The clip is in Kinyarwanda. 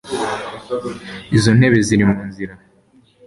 izo ntebe ziri munzira